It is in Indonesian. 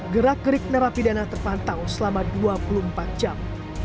gerak gerik narapidana terpantau selama dua puluh empat jam